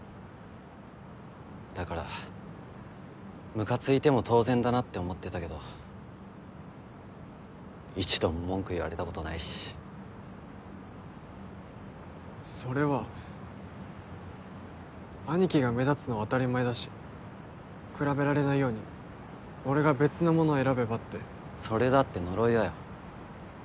だからムカついても当然だなって思ってたけど一度も文句言われたことないしそれは兄貴が目立つのは当たり前だし比べられないように俺が別のもの選べばってそれだって呪いだよ